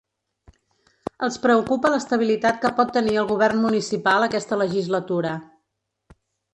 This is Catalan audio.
Els preocupa l’estabilitat que pot tenir el govern municipal aquesta legislatura.